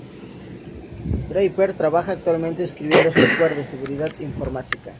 Draper trabaja actualmente escribiendo software de seguridad informática.